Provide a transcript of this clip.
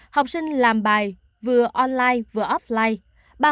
học sinh làm bài vừa online vừa offline